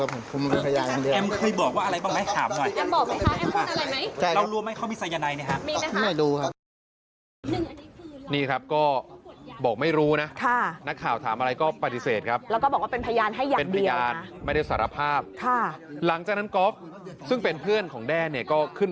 มาให้ปากคำในฐานะพยานแล้วก๊อฟว่ายังไงอีก